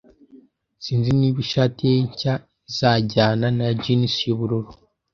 Sinzi niba ishati ye nshya izajyana na jeans yubururu